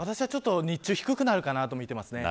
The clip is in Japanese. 日中、低くなるかなと見ています。